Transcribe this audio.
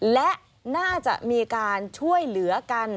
และน่าจะมีการช่วยเหลือกัน